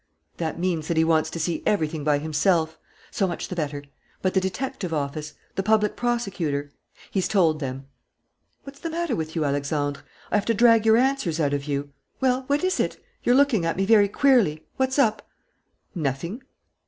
"That means that he wants to see everything by himself. So much the better. But the detective office? The public prosecutor?" "He's told them." "What's the matter with you, Alexandre? I have to drag your answers out of you. Well, what is it? You're looking at me very queerly. What's up?" "Nothing."